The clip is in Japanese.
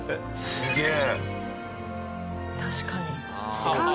すげえ！